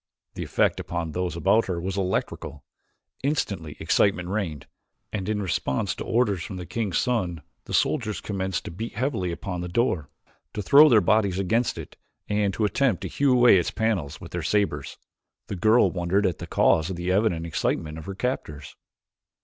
The effect upon those about her was electrical. Instantly excitement reigned, and in response to orders from the king's son the soldiers commenced to beat heavily upon the door, to throw their bodies against it and to attempt to hew away the panels with their sabers. The girl wondered at the cause of the evident excitement of her captors.